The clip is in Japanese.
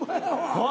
はい。